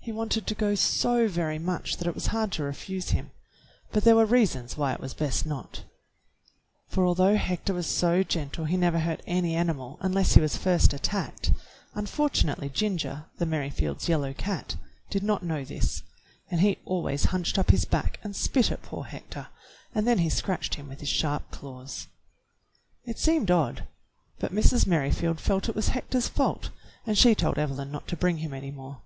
He wanted to go so very much that it was hard to refuse him, but there were reasons why it was best not; for although Hector was so gentle he never hurt any animal un less he was first, attacked, unfortunately Ginger, the Merrifields' yellow cat, did not know this, and he always hunched up his back and spit at poor Hector, and then he scratched him with his sharp claws. It 22 THE BLUE AUNT seemed odd, but Mrs. Merrifield felt it was Hec tor's fault, and she told Evelyn not to bring him any more.